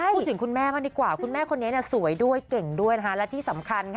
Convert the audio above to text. พูดถึงคุณแม่มาดีกว่าคุณแม่คนนี้สวยด้วยเก่งด้วย